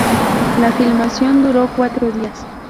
La filmación duró cuatro días.